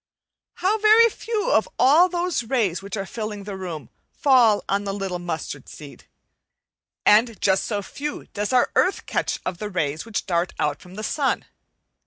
How very few of all those rays which are filling the room fall on the little mustard seed, and just so few does our earth catch of the rays which dart out from the sun.